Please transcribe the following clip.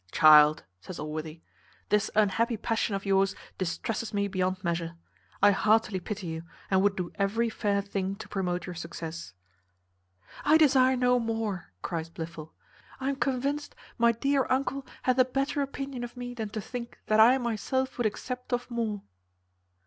"Child," says Allworthy, "this unhappy passion of yours distresses me beyond measure. I heartily pity you, and would do every fair thing to promote your success." "I desire no more," cries Blifil; "I am convinced my dear uncle hath a better opinion of me than to think that I myself would accept of more."